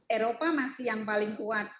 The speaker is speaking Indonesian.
eropa masih yang paling kuat